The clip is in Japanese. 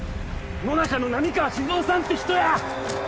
野中の波川志津雄さんって人や！